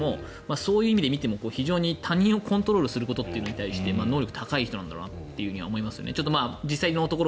そういう意味で見ても非常に他人をコントロールすることに対して能力が高い人なんだろうなと思いますね。